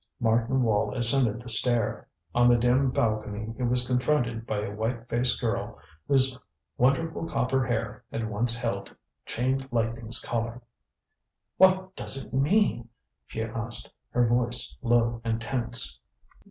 Martin Wall ascended the stair. On the dim balcony he was confronted by a white faced girl whose wonderful copper hair had once held Chain Lightning's Collar. "What does it mean?" she asked, her voice low and tense.